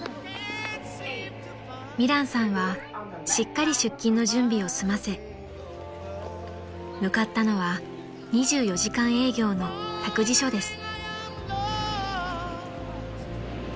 ［美蘭さんはしっかり出勤の準備を済ませ向かったのは２４時間営業の託児所です］